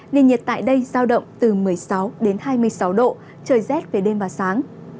nền nhiệt tại đây giao động từ một mươi sáu hai mươi sáu độ trời rét về đêm và sáng